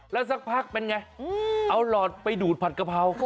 แล้วสักพักเป็นไงเอาหลอดไปดูดผัดกะเพรา